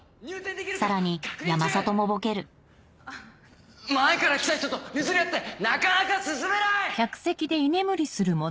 さらに山里もボケる前から来た人と譲り合ってなかなか進めない！